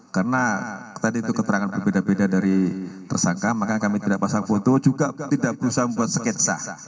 karena tadi itu keterangan berbeda beda dari tersangka maka kami tidak pasang foto juga tidak berusaha membuat sketsa